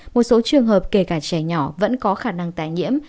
một số trường hợp kể cả trẻ nhỏ vẫn có khả năng tái nhiễm